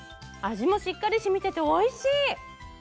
味もしっかり染みてておいしい！